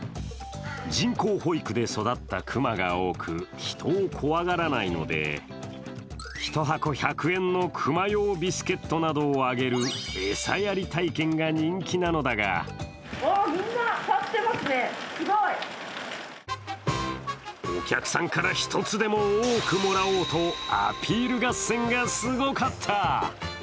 人工哺育で育ったクマが多く、人を怖がらないので１箱１００円のクマ用ビスケットなどをあげる餌やり体験が人気なのだがお客さんから１つでも多くもらおうと、アピール合戦がすごかった。